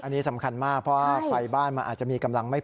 อันนี้สำคัญมากเพราะว่าไฟบ้านมันอาจจะมีกำลังไม่พอ